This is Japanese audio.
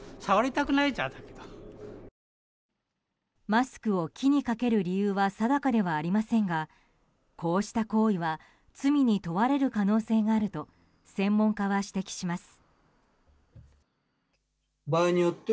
マスクを木にかける理由は定かではありませんがこうした行為は罪に問われる可能性があると専門家は指摘します。